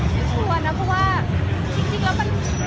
เปิดมากกว่าจะไปแก้ฮะ